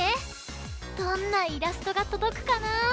どんなイラストがとどくかな？